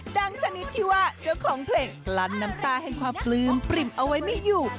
ชนิดที่ว่าเจ้าของเพลงกลั้นน้ำตาแห่งความปลื้มปริ่มเอาไว้ไม่อยู่